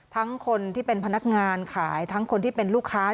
ทั้งคนที่เป็นพนักงานขายทั้งคนที่เป็นลูกค้า